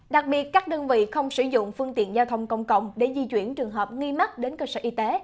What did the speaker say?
đặc biệt các đơn vị không sử dụng phương tiện giao thông công cộng để di chuyển trường hợp nghi mắc đến cơ sở y tế